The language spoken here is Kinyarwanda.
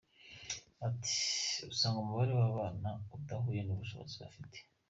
Ati "Usanga umubare w’abana udahuye n’ubushobozi bafite.